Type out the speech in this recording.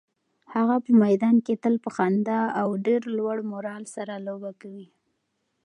هغه په میدان کې تل په خندا او ډېر لوړ مورال سره لوبه کوي.